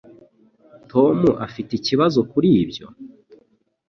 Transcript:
Tom afite ikibazo kuri ibyo?